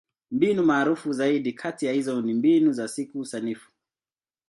Mbinu maarufu zaidi kati ya hizo ni Mbinu ya Siku Sanifu.